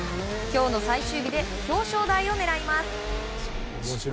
今日の最終日で表彰台を狙います。